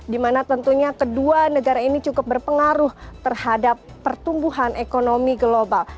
dimana tentunya kedua negara ini cukup berpengaruh terhadap pertumbuhan ekonomi global